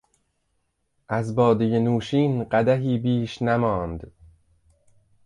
از بادهی نوشین قدحی بیش نماند...